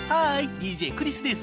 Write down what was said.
ＤＪクリスです。